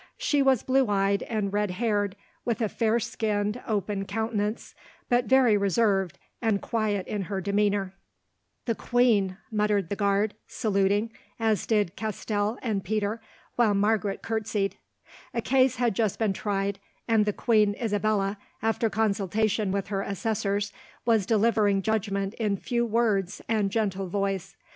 She was blue eyed and red haired, with a fair skinned, open countenance, but very reserved and quiet in her demeanour. A magnificently attired lady of middle age "The Queen," muttered the guard, saluting, as did Castell and Peter, while Margaret curtseyed. A case had just been tried, and the queen Isabella, after consultation with her assessors, was delivering judgment in few words and a gentle voice.